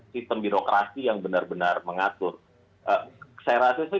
sistem birokrasi yang benar benar mengatur saya rasa itu